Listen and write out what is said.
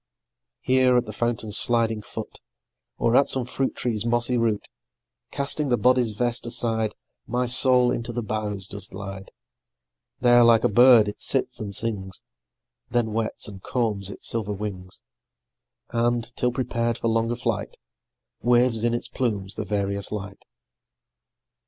Here at the fountain's sliding foot, Or at some fruit tree's mossy root, Casting the body's vest aside, My soul into the boughs does glide; There like a bird it sits and sings, Then whets, and combs its silver wings; And, till prepar'd for longer flight, Waves in its plumes the various light.